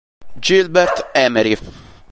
Gilbert Emery